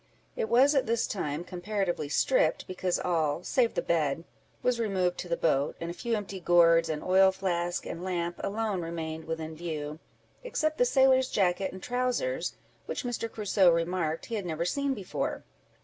It was, at this time, comparatively stripped, because all, save the bed, was removed to the boat, and a few empty gourds, an oil flask, and lamp, alone remained within view, except the sailor's jacket and trowsers, which Mr. Crusoe remarked he had never seen before.